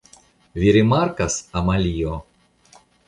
Vi rimarkas, Amalio?